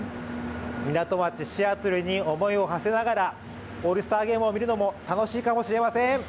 港町シアトルに思いをはせながら、オールスターゲームを見るのも楽しいかもしれません！